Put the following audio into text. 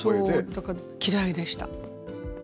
だから嫌いでした。